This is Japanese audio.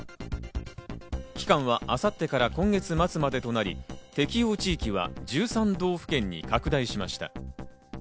期間は明後日から今月末までとなり、適用地域は１３道府県に拡大しました。